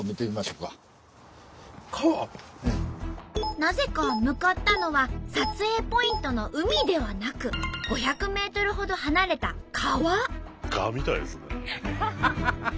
なぜか向かったのは撮影ポイントの海ではなく５００ｍほど離れた川。